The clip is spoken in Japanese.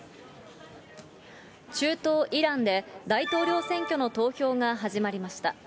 中東イランで、大統領選挙の投票が始まりました。